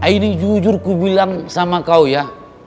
ini jujur ku bilang sama kau ya